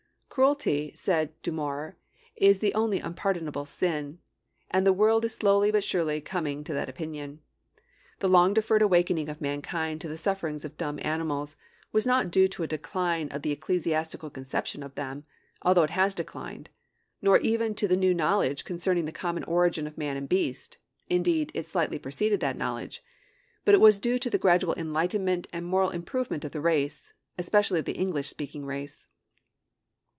'Cruelty,' said Du Maurier, 'is the only unpardonable sin'; and the world is slowly but surely coming to that opinion. The long deferred awakening of mankind to the sufferings of dumb animals was not due to a decline of the ecclesiastical conception of them, although it has declined; nor even to the new knowledge concerning the common origin of man and beast indeed, it slightly preceded that knowledge; but it was due to the gradual enlightenment and moral improvement of the race, especially of the English speaking race.